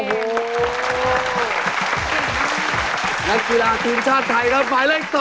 นักกีฬาทีมชาติไทยครับหมายเลข๒